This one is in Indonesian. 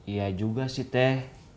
iya juga sih teh